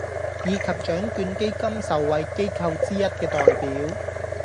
以及獎卷基金受惠機構之一嘅代表